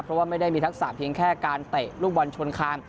เพราะว่าไม่ได้มีทักษะเพียงแค่การเตะลูกบอลชนคาม